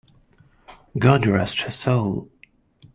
God rest her soul!